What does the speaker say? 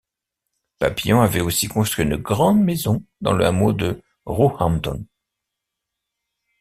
Papillon avait aussi construit une grande maison dans le hameau de Roehampton.